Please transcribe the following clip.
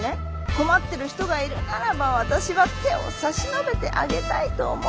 困ってる人がいるならば私は手を差し伸べてあげたいと思っちゃうわけですよ。